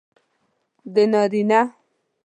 د نارینه